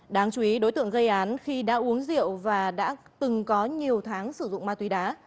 đáng chú ý đối tượng gây án khi đã uống rượu và đã từng có nhiều tháng sử dụng ma túy đá